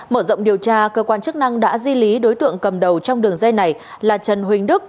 mở rộng điều tra cơ quan chức năng đã di lý đối tượng cầm đầu trong đường dây này là trần huỳnh đức